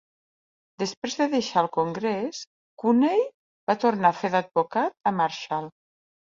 Després de deixar el Congrés, Cooney va tornar a fer d'advocat a Marshall.